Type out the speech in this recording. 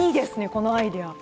このアイデア。